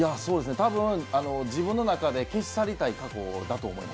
多分、自分の中で消し去りたい過去だと思います。